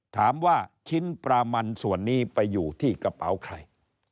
ถามว่าชิ้นปลามันส่วนนี้ไปอยู่ที่กระเป๋าใคร